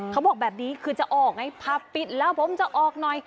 เขาบอกแบบนี้คือจะออกไงผับปิดแล้วผมจะออกหน่อย